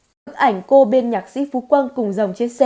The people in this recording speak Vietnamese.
các ảnh cô bên nhạc sĩ phú quang cùng dòng chia sẻ